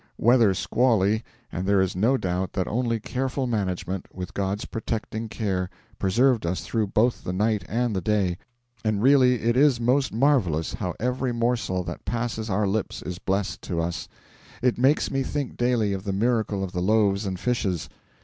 Weather squally, and there is no doubt that only careful management with God's protecting care preserved us through both the night and the day; and really it is most marvellous how every morsel that passes our lips is blessed to us. It makes me think daily of the miracle of the loaves and fishes.